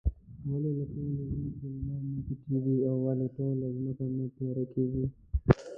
ولې له ټولې ځمکې لمر نۀ پټيږي؟ او ولې ټوله ځمکه نه تياره کيږي؟